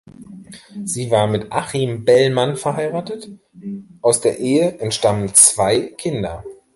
Sie war mit Achim Bellmann verheiratet, aus der Ehe entstammen zwei Kinder.